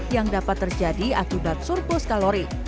yang dapat terjadi akibat surplus kalori